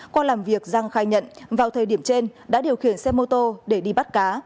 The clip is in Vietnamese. qua làm việc giang khai nhận vào thời điểm trên đã điều khiển xe mô tô để đi bắt cá